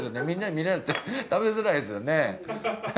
みんなに見られて食べづらいですよね。